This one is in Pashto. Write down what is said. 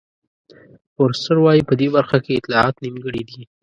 فورسټر وایي په دې برخه کې اطلاعات نیمګړي دي.